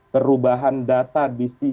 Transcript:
perubahan data di